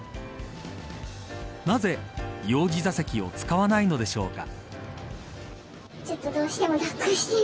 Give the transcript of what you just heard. なぜ幼児座席を使わないのでしょうか。